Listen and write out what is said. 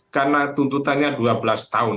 karena tuntutannya dua belas tahun